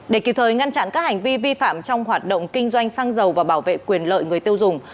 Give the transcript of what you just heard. để kịp thời ngăn chặn các hành vi vi phạm trong hoạt động kinh doanh xăng dầu và bảo vệ quyền lợi người tiêu dùng